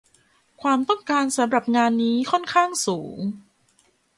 ความต้องการสำหรับงานนี้ค่อนข้างสูง